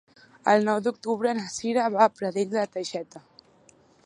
El nou d'octubre na Cira va a Pradell de la Teixeta.